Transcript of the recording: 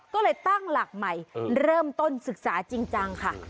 ก็เลยตั้งหลักใหม่เริ่มต้นศึกษาจริงจังค่ะ